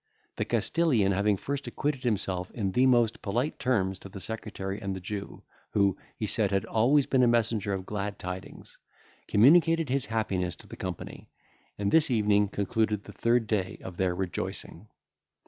The Castilian having first acquitted himself in the most polite terms to the secretary and the Jew, who, he said, had always been a messenger of glad tidings, communicated his happiness to the company; and this evening concluded the third day of their rejoicing.